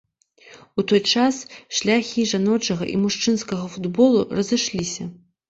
У той час шляхі жаночага і мужчынскага футболу разышліся.